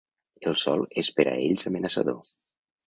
El sol és per a ells amenaçador.